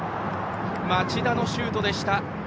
町田のシュートでした。